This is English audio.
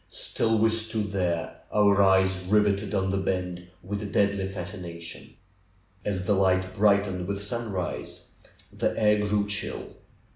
Still we stood there, our eyes riveted on the bend with a deadly fascination. As the light brightened with sunrise, the air grew chill.